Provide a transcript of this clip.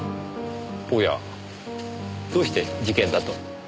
おや？どうして事件だと？